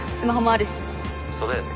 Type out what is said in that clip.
そうだよね。